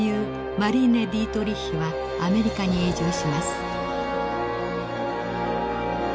マレーネ・ディートリヒはアメリカに永住します。